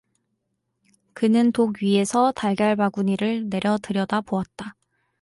그는 독 위에서 달걀 바구니를 내려 들여다보았다.